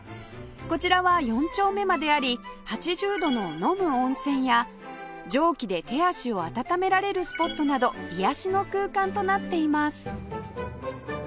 こちらは四丁目まであり８０度の飲む温泉や蒸気で手足を温められるスポットなど癒やしの空間となっています